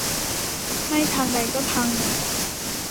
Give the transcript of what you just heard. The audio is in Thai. ไม่ทางใดก็ทางหนึ่ง